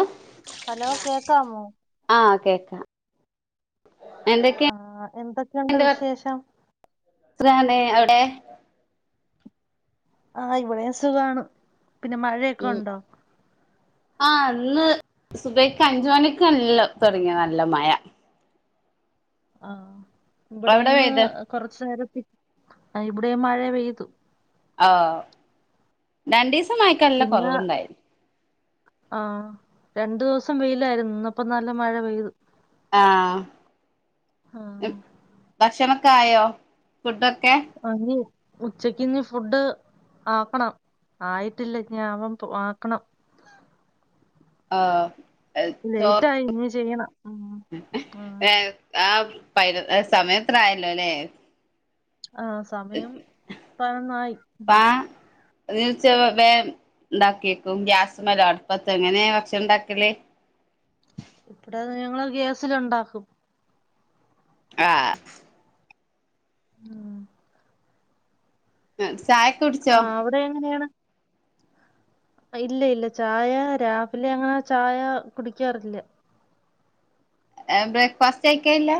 ആഫ hello കേക്കാമോ ആഹ് കേക്കാം എന്തൊക്കെയുണ്ട് ആഹ് എന്തൊക്കെയുണ്ട് വിശേഷം എത്ര കാലമായി അവിടെ ആഹ് ഇവിടെയും സുഖണ് പിന്നെ മഴയൊക്കെണ്ടോ ആ ഇന്ന് സുബൈക്ക് അഞ്ച് മണിക്ക് നല്ല തുടങ്ങിയ നല്ല മഴ ആഹ് അവിടെ ഇവിടെന്ന് പെയ്ത് കൊറച്ചു നേരത്തി ഇവിടെയും മഴ പെയ്തു ആഹ് രണ്ടീസം മഴക്ക്‌ നല്ല കുറവുണ്ടായിരുന്നു ആഹ് രണ്ടു ദിവസം വെയിലായിരുന്നു ഇന്നപ്പ നല്ല മഴ പെയ്തു ആഹ് ആ മ് ഭക്ഷണക്കെ ആയോ ഫുഡൊക്കെ പനിയ ഉച്ചക്ക് ഇന്ന് ഫുഡ് ആക്കണം ആയിട്ടില്ല [unintelligible] ആക്കണം ആഹ് ലേറ്റ് അയി ഇനി ചെയ്യണം ഉം. ആ ഏ ആ പൈ സമയംത്ര ആയല്ലോല്ലെ ആഹ് സമയം പതിനൊന്നായി നിച്ചാ വേ ഇണ്ടാക്കിയക്കും ഗ്യാസ്മലോ അടുപ്പതോ എങ്ങനെയ ഭക്ഷണണ്ടാകല് പ്പടെ ഞങ്ങൾ ഗ്യാസിൽണ്ടാക്കും ആഹ് ആഹ് ഉം ചായ് ആഹ് അവ്ടെങ്ങനെയാണ് ഇല്ലല്ല്യാചായ രാവിലെങ്ങനെ ചായ കുടിക്കാറില്ല ഏഹ് ബ്രേക്ക്ഫാസ്റ്റയ്ക്കേല്ലാ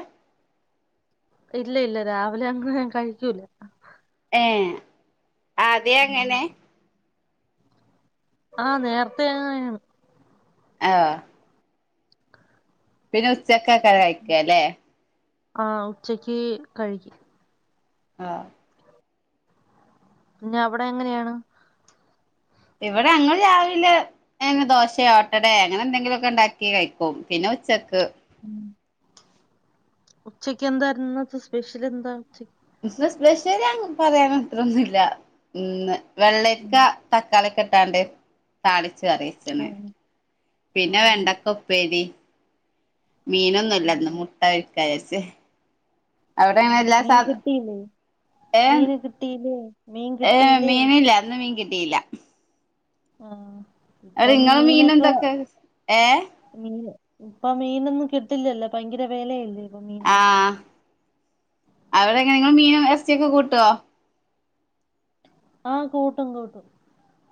ഇല്ല ഇല്ല രാവിലെങ്ങനെ ഞാൻ കഴിക്കൂല ഏഹ് ആദ്യേ അങ്ങെനെ ആഹ് നേര്ത്തേങ്ങെനേണ് എവോ പിന്നെ ഉച്ചക്കാകാരം കഴിക്കലേ ആഹ് ഉച്ചയ്ക്ക് കഴിക്കും ആഹ് പിന്നെ അവ്ടെങ്ങനെയാണ് ഇവിടങ്ങൾ രാവിലെ ഏന്ന് ദോശെ ഓട്ടടേങ്ങനെന്തെങ്കിലൊക്കെ ണ്ടാക്കി കഴിക്കും പിന്നെ ഉച്ചക്ക് ഉം ഉച്ചെക്കെന്തായ്ര്ന്നു ഇന്നത്തെ സ്പെഷ്യലെന്താ ഉച്ചക്ക് ന്ന് സ്പെഷ്യലങ്ങ് പറ്യാനത്രൊന്നുല്ല ഇന്ന് ഉം. വെള്ളെര്ക്ക തക്കാളിക്കെട്ടാണ്ട് താളിച്ച് കറിവെച്ച്ണ് ഉം. ആ പിന്നെ വെണ്ടക്കൊ ഉപ്പേരി മീനൊന്നും ആ ഇല്ല ഇന്ന് മുട്ട പൊരിക്ക വിചാരിച്ച് അവിടെ അങ്ങനെ ആഹ് എല്ലാ മീൻ സാധ കിട്ടീലേ മീന് കിട്ടീല്ലേ ഏഹ് മീനില്ല ഇന്ന് മീൻ കിട്ടീല്ല ആഹ് അവിടെ ഇപ്പം ഇങ്ങള് മീൻ മീനൊക്കെ എന്തൊക്കെ ഏ മീൻ ഇപ്പ മീനൊന്നും കിട്ടില്ലല്ലോ ഭയ്ങ്കര വെലയെല്ലേ ആഹ് അവിടെ എങ്ങനെ ഇങ്ങൾ മീനും ഇറച്ചിയൊക്കെ കൂട്ടോ ആഹ് കൂട്ടും കൂട്ടും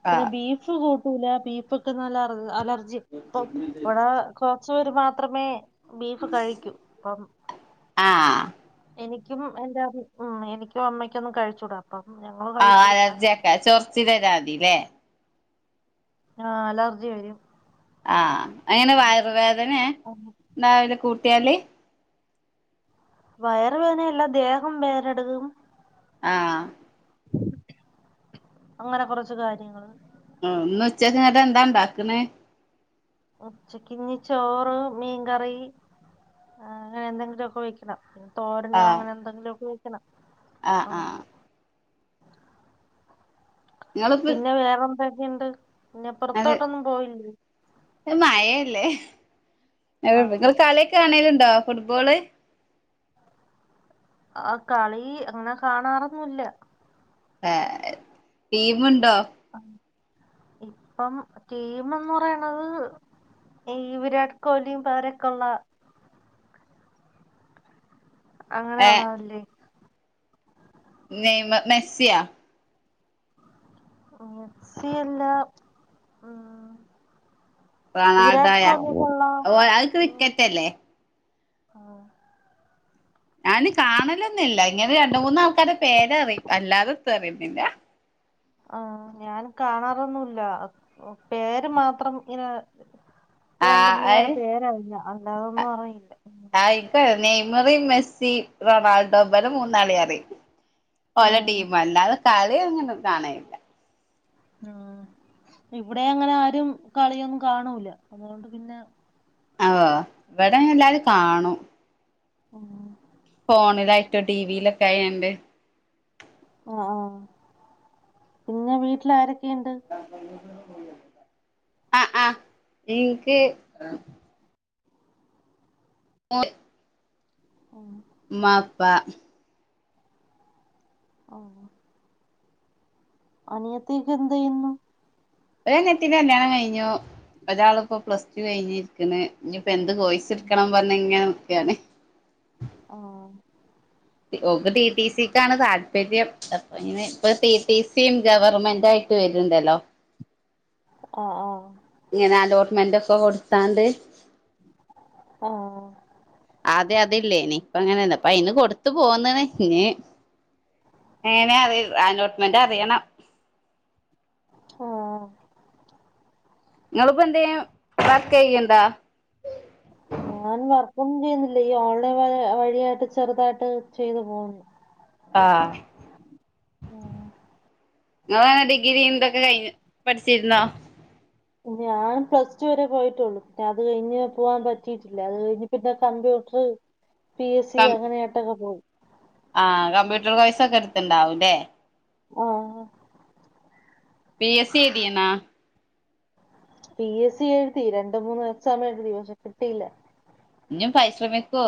പിന്നെ ആഹ് ബീഫ് കൂട്ടൂലാ ബീഫ് ഇൻക്ക് നല്ല അർ അലർ ജി ഇപ്പം ഇവടെ കൊറച്ച് പേര് മാത്രമേ ബീഫ് കഴിക്കൂ അപ്പം ആഹ് എനിക്കും എന്റെ ഉം എനിക്കും അമ്മയ്ക്കൊന്നും കഴിച്ചൂടാ അപ്പം ഞങ്ങളൊ ആഹ് അലർജി ഒക്കെ ചൊറ്ച്ചില് വരാതിലേ ആഹ് അലർജി വെരും ആഹ് എങ്ങനെ വയറ് വേദനേ ആഹ് ഇണ്ടാവൽ കൂട്ടിയാൽ വയർ വേദനയെല്ല ദേഹം വേദന എടുക്കും ആഹ് അങ്ങനെ കൊറച്ച് കാര്യങ്ങൾ ഉം ഇന്ന് ഉച്ചക്ക് ഇങ്ങെട്ടെന്താ ഇണ്ടാക്ക്ണെ ഉച്ചക്കിഞ്ഞി ചോറ്, മീൻകറി, അങ്ങനെന്തെങ്കിലൊക്കെ വെക്കണം തോരനോ ആഹ് അങ്ങനെന്തെങ്കിലൊക്കെ വെക്കണം ആഹ് നിങ്ങളിപ്പ പിന്നെ വേറെന്തൊക്കെണ്ട് പിന്നെ പെറ്ത്തോട്ടൊന്നും പോയില്ലേ മഴല്ലേ ആഹ് ഇങ്ങൾ കളിയൊക്കെ കാണല് ഉണ്ടോ ഫുട്ബോള് ആഹ് കളീ അങ്ങനെ കാണാറൊന്നുല്ല ഏഹ് ടീമുണ്ടോ ഇപ്പം ടീമെന്ന് പറയ്ണത് ഈ വിരാട് കോഹ് ലിയും പേരക്കൊള്ള ഏഹ് അങ്ങനെയുള്ളത് ഇല്ലേ നെയ്മർ, മെസ്സിയോ മെസ്സി അല്ല വിരാട് റൊണാൾഡോയാ കോഹലിയുള്ള ഓ അത് ക്രിക്കറ്റ് അല്ലേ ഞാന് കാണലൊന്നും ഇല്ല ഇങ്ങനെ രണ്ട് മൂന്ന് ആൾക്കാരുടെ പേരറിയാം അല്ലാതെ എന്തും അറിയൊന്നും ഇല്ല ആഹ് ഞാൻ കാണാറൊന്നു ഇല്ല പേര് മാത്രം ഇങ്ങനെ രണ്ട് ആഹ് മൂന്ന് പേരുടെ അഹ് പേരറിയാം അല്ലാതൊന്നും അറിയില്ല ആഹ് ഇൻക്ക് നെയ്മറ്, മെസ്സി, റൊണാൾഡോ ഇവരെ മൂന്നാളെയും അറിയും ഓല ആഹ് ടീമ് അല്ലാതെ കളി അങ്ങനെ കാണലില്ല ഉം ഇവിടെ അങ്ങനെ ആരും കളിയൊന്നും കാണൂല്ല അതുകൊണ്ട് പിന്നെ ആ് ഇവിടെ എല്ലാവരും കാണും ആഹ് ഫോണിലായിട്ടോ ടിവിയിലൊക്കെ ആയാണ്ട് ആ ആഹ് പിന്നെ വീട്ടിൽ ആാരൊക്കെയുണ്ട് ആഹ് ആഹ് എനിക്ക് ഓ ഓഹ് മ്മാ പ്പാ ഓഹ് അനിയത്തിയൊക്കെ എന്തെയ്യുന്നു ഒരനിയത്തീന്റെ കല്യാണം കഴിഞ്ഞു. ഒരാള്പ്പൊ പ്ലസ് ടു കഴിഞ്ഞി ക്ക്ണ്. ന്നിപ്പെന്ത് കോഴ്‌സ്ട്ക്കണം പർഞ്ങ്ങനെ നിക്കാണ് ആഹ് ടി ഓക്ക് ടി ടി സിക്കാണ് താല്പര്യം പ്പന്ന് പ്പ ടി ടി സിം ഗവർമെന്റായിട്ട് വെര്ണ്ടല്ലോ ആ ആഹ് ങ്ങനെ അലോട്ട്മെന്റൊക്കെ കൊട്ത്താണ്ട് ആഹ് ആദ്യ അത് ല്ലേനി, പ്പ അങ്ങനല്ല, പ്പ അയ്ന് കൊട്ത്ത്‌ പോന്ന്ണ്. ഞ്ഞ് എങ്ങനെ അറി അലോട്ട്മെന്ററിയണം ആഹ് ങ്ങള്പ്പന്തേയും വർക്കെയ്യ്‌ണ്ടാ ഞാൻ വർക്കൊന്നും ചെയ്യുന്നില്ല. ഈ ഓൺലൈൻ വ വഴിയായിട്ട് ചെറുതായിട്ട് ചെയ്തു പോവുന്ന ആഹ് ഉം. ഞളെ ഡിഗ്രിം തൊക്കെ കഴിഞ്ഞോ പഠിച്ചിരുന്നോ [inaudible] ഞാൻ പ്ലസ് ടു വരെ പോയിട്ടൊള്ളു പിന്നത് കഴിഞ്ഞ് പോവാൻ പറ്റിയിട്ടില്ല, അത് കഴിഞ്ഞ് പിന്നെ കമ്പ്യൂട്ടർ പി എസ് സി കം അങ്ങനെയാട്ടൊക്കെ പോവും ആഹ് കമ്പ്യൂട്ടർ കോഴ്സൊക്കെട് ത്ത്‌ണ്ടാവു ല്ലേ ആഹ് ഹ പി എസ് സി എയ്തീന്നാ പി എസ് സി എഴുതി. രണ്ട് മൂന്ന് എക്സാം എഴുതി, പക്ഷെ കിട്ടിയില്ല ഇഞ്ഞും പരിശ്രമിക്കൂ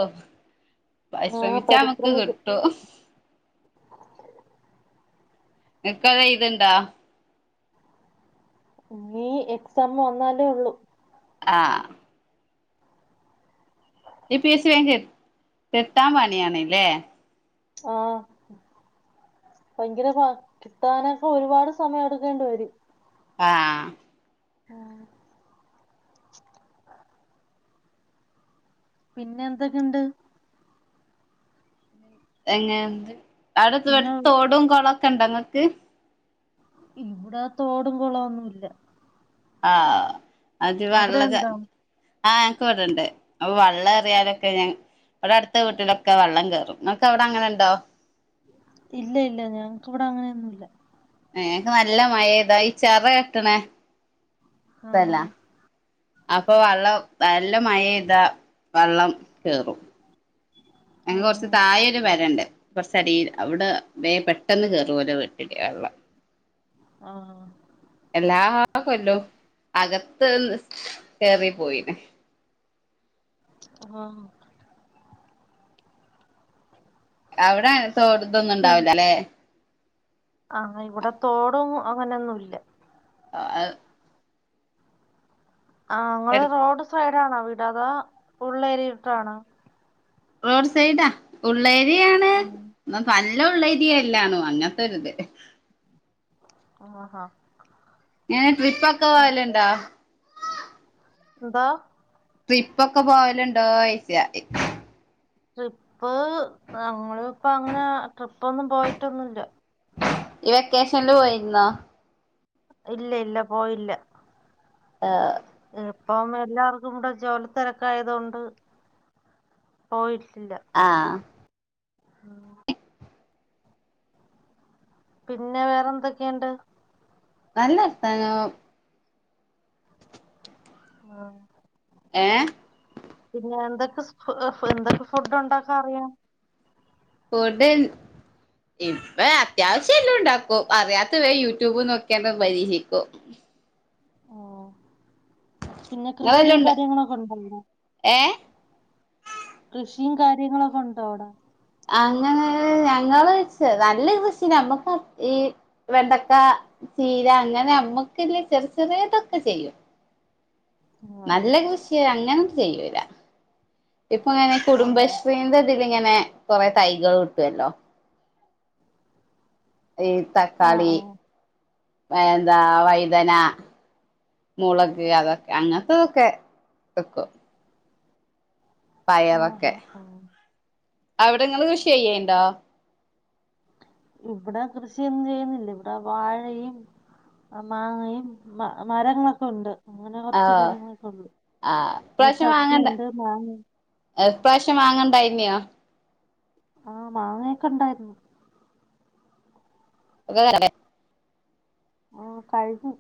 ആഹ് പരിശ്രമിച്ചാമ്മക്ക് പരിശ്രമിക്കും കിട്ടും ങ്ങക്കത് എയ്ത്ണ്ടാ ഇനീ എക്സാമ് വന്നാലേ ഉള്ളൂ ആഹ് ഈ എ പി എസ് സി വേം കി കിട്ടാംപണിയാണ് ല്ലേ ആഹ് ഭയങ്കര പാട് കിട്ടാനൊക്കെ ഒരുപാട് സമയം എടുക്കേണ്ടി വരും ആഹ് ആഹ് പിന്നെന്തൊക്കെണ്ട് എങ്ങനെ അവടെ പിന്നെ അടുത്ത് തോടും കൊളൊക്കെണ്ട് ങ്ങക്ക് ഇവിടെ തോടും കുളവൊന്നു ഇല്ല ആഹ് അത് അവിടെ വള്ളക്കെ ഉണ്ടോ ആഹ് ഞങ് ക്ക് വടണ്ട്. അപ്പൊ വള്ളേറിയാലൊക്കെ ഞങ് വടെട്ത്ത വീട്ട്ലൊക്കെ വള്ളം കേറും. ങ്ങക്കവിടങ്ങനെണ്ടോ ഇല്ല ഇല്ല ഞങ്ങക്ക് വടെ അങ്ങനെയൊന്നുല്ല ഏഹ് ഞങ്ങക്ക് നല്ല മഴ പെയ്താ ഈ ചെറ കെട്ടണേ ആ സ്ഥലാ അപ്പൊ വള്ളം നല്ല മഴ പെയ്താ വള്ളം കേറും ആ ഞങ്ങളെ കൊറച്ച് താഴെ ഒര് പെര ഇണ്ട് കൊറച്ച് അടീല് അവിടെ വേം പെട്ടെന്ന് കയറും ഓലെ വീട്ടില് വെള്ളം ആഹ് എല്ലാ കൊല്ലും അകത്ത് കയറി പോയിണ് ആഹ് അവിടെ തോടും ഇതൊന്നും ഉണ്ടാവുല്ല ലേ ആഹ് ഇവിടെ തോടും അങ്ങനെ ഒന്നും ഇല്ല [unintelligible] ആഹ് ഇങ്ങള് റോഡ് സൈഡ് ആണോ അവിടെ അതോ ഉള്ള് ഏരിയേട്ടാണോ റോഡ് സൈഡാ ഉള്ള് ഏരിയ ആണ് ആഹ് എന്ന നല്ല ഉള്ള് ഏരിയ അല്ലാ ണും അങ്ങൻത്തെ ഒരു ഇത് ആഹ് ആഹ് എങ്ങനെ ട്രിപ്പ് ഒക്കെ പോവലുണ്ടോ എന്തോ ട്രിപ്പ് ഒക്കെ പോവലുണ്ടോ ചോയ്ച്ച ട്രിപ്പ് ഞങ്ങള് ഇപ്പ അങ്ങനെ ട്രിപ്പ് ഒന്നും പോയിട്ടൊന്നു ഇല്ല ഈ വെക്കേഷനില് പോയിരുന്നോ ഇല്ല ഇല്ല പോയില്ല ആഹ് ഇപ്പം എല്ലാവർക്കും കൂടെ ജോലി തിരക്ക് ആയതു കൊണ്ട് പോയിട്ടില്ല ആഹ് [inaudible] പിന്നെ വേറെ എന്തൊക്കെയുണ്ട് നല്ല വർത്താനം ആഹ് ഏഹ് പിന്നെ എന്തൊക്കെ സ് ഫു എന്തൊക്കെ ഫുഡ് ഉണ്ടാക്കാൻ അറിയാം ഫുഡ് ഇപ്പം അത്യാവശ്യം എല്ലാം ഉണ്ടാക്കും അറിയാത്തത് വേം യൂട്യൂബ് നോക്കിയാണ്ട് പരീക്ഷിക്കും ഉം. പിന്നെ കൃഷിയും കാര്യങ്ങളൊക്കെ ഉണ്ടല്ലോ ഏഹ് കൃഷിയും കാര്യങ്ങളൊക്കെ ഉണ്ടോ അവിടെ അങ്ങനെ ഞങ്ങള് വെച്ചാ നല്ല കൃഷി നമ്മുക്ക് ഈ വെണ്ടക്ക ചീര അങ്ങനെ നമ്മുക്കുള്ള ചെറിയ ചെറിയതൊക്കെ ചെയ്യും ഉം. നല്ല കൃഷി അങ്ങനെ ഒന്നും ചെയ്യൂല ഇപ്പൊ അങ്ങനെ ആഹാ കുടുംബശ്രീന്റെ ലിങ്ങനെ കൊറെ തൈകൾ കിട്ടൊല്ലോ ഈ ആ തക്കാളി ആ എന്താ വൈതന മുളക് അതൊക്കെ അങ്ങനത്തെ ഇതൊക്കെ വെക്കും ആ ആ പയറൊക്കെ ആ. അവിടെ ഇങ്ങള് കൃഷി ചെയ്യേണ്ടോ ഇവടെ കൃഷിയൊന്നും ചെയ്യുന്നില്ല ഇവടെ വാഴയും മാങ്ങയും മ മരങ്ങളൊക്കെ ഉണ്ട് അങ്ങനെ കൊറച്ച് ആഹ് കാര്യങ്ങളൊക്കെ ഉണ്ട് ആഹ് പിന്നെ ചക്കയുണ്ട് മാങ്ങ ഏഹ് ഇപ്രാവശ്യം മാങ്ങണ്ടായിനിയോ? ആഹ് മാങ്ങയൊക്കെ ഇണ്ടായിരുന്നു [unintelligible] ആഹ് കഴിഞ്ഞു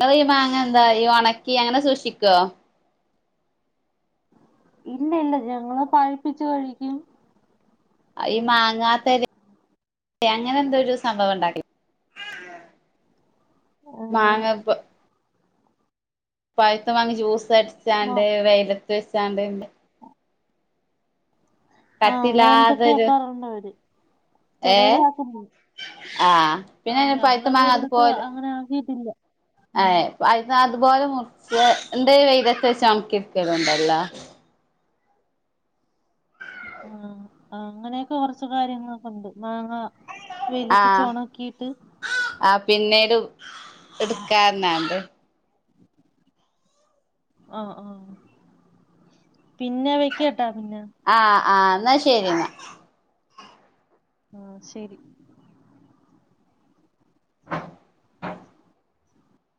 ഇങ്ങളീ മാങ്ങ എന്താ ഈ ഒണക്കി അങ്ങനെ സൂക്ഷിക്കോ ഇല്ല ഇല്ലാ ഞങ്ങള് പഴിപ്പിച്ച് കഴിക്കും ആഹ് ഈ മാങ്ങാത്തെരെ അങ്ങനെ എന്തോരു സംഭവം ഇണ്ടാക്കി ഏഹ് മാങ്ങ പ പഴുത്ത മാങ്ങ മ ജ്യൂസടിച്ചാണ്ട് വെയിലത്ത് വെച്ചാണ്ട് [inaudible] ആഹ് അങ്ങനെ എന്തൊക്കെ കട്ടില്ലാതൊരു ആക്കാറുണ്ടവര് ചെലവര് ഏഹ് [unintelligible] ആഹ് ആഹ് പിന്നെ ഞങ്ങള് പഴുത്ത ഇത് മാങ്ങ വരെയായിട്ട് അതുപോലെ അങ്ങനെ ആക്കീട്ടില്ലാ ഏഹ് അയ്ന്ന് അതുപോലെ മുറിച്ചാണ്ട് വെയ്ലത്ത് വെച്ച് ഒണക്കിയെട്ക്കല്ണ്ടല്ലോ ആഹ് അങ്ങനെയൊക്കെ കൊറച്ച് കാര്യങ്ങളൊക്കെ ഇണ്ട് മാങ്ങ വെയിലെത്ത് ആഹ് വെച്ചൊണക്കീട്ട് ആഹ് പിന്നീടും എട്ക്കാർഞ്ഞാണ്ട് ആഹ് ആഹ് പിന്നെ വെക്ക്യാട്ടാ പിന്നെ ആഹ് ആഹ് ഇന്നാ ശരിന്നാ ആഹ് ശരി